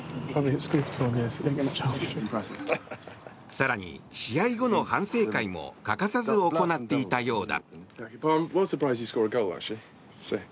更に試合後の反省会も欠かさず行っていたようだ。